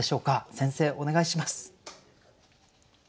先生お願いします。